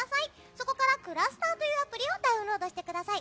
そこからｃｌｕｓｔｅｒというアプリをダウンロードしてください。